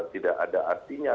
tidak ada artinya